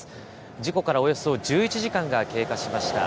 事故からおよそ１１時間が経過しました。